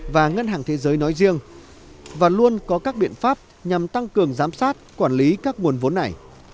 và ngân hàng thế giới nói riêng và luôn có các biện pháp nhằm tăng cường giám sát quản lý các nguồn vốn này